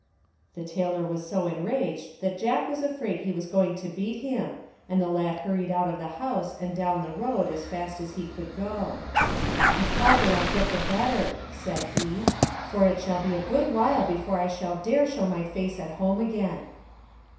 The tailor was so enraged that Jack was afraid he was going to beat him, and the lad hurried out of the house and down the road as fast as he could go. "The farther I get the better," said he, "for 288 THE DONKEY, THE TABLE, AND THE STICK it will be a good while before I shall dare show my face at home again."